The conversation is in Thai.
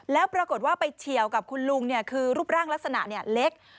แล้วปรากฏว่าไปเฉียวกับคุณลุงคือรูปร่างลักษณะเล็ก